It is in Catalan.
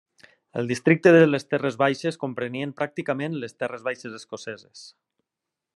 El Districte de les Terres Baixes comprenien pràcticament les Terres Baixes Escoceses.